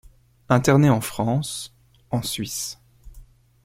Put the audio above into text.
Interné en France, en Suisse.